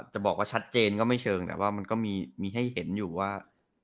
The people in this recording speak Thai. จะบอกว่าชัดเจนก็ไม่เชิงแต่ว่ามันก็มีให้เห็นอยู่ว่า